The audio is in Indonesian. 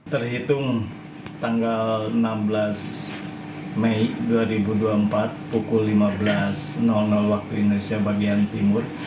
terhitung tanggal enam belas mei dua ribu dua puluh empat pukul lima belas waktu indonesia bagian timur